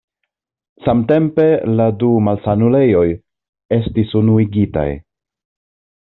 Samtempe la du malsanulejoj estis unuigitaj.